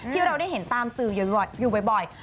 ที่เราได้เห็นตามสื่ออยู่บ่อย